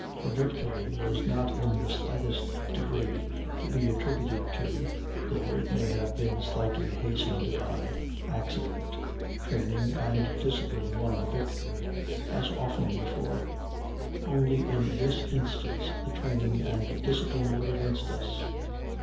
And her victory was not in the slightest degree to be attributed to, though it may have been slightly hastened by, accident. Training and discipline won the victory, as often before; only in this instance the training and discipline were against us.